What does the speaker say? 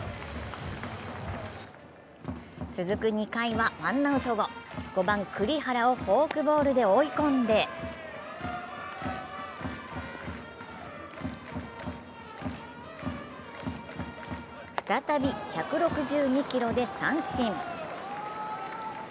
続く２回はワンアウト後、５番・栗原をフォークボールで追い込んで再び１６２キロで三振。